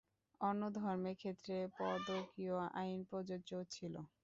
অন্য ধর্মের ক্ষেত্রে পদকীয় আইন প্রযোজ্য ছিল।